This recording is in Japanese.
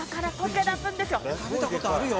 食べた事あるよ。